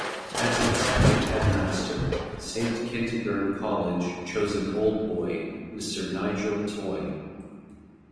As its second Headmaster, Saint Kentigern College chose an Old Boy, Mr Nigel Toy.